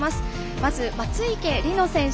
まず松生理乃選手